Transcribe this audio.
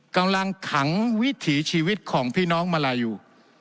กำลังขังวิถีชีวิตของพี่น้องมาลายู